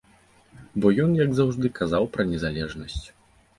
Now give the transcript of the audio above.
Бо ён, як заўжды, казаў пра незалежнасць.